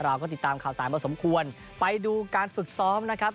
เราก็ติดตามข่าวสารพอสมควรไปดูการฝึกซ้อมนะครับ